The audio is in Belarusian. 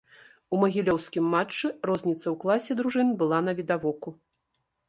У магілёўскім матчы розніца ў класе дружын была навідавоку.